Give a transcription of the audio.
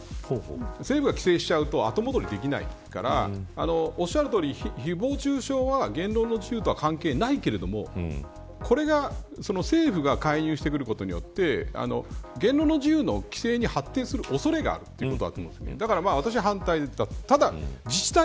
政府が規制しちゃうと後戻りできないからおっしゃるとおり、誹謗中傷は言論の自由とは関係ないけれどもこれが政府が関係してくることによって言論の自由の規制に発展する恐れがあるということだと思うんです。